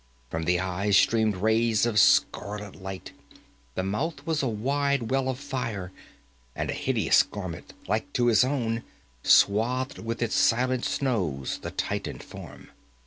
From the eyes streamed rays of scarlet light, the mouth was a wide well of fire, and a hideous garment, like to his own, swathed with its silent snows the Titan form.